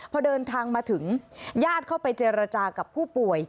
พอเดินทางมาถึงญาติเข้าไปเจรจากับผู้ป่วย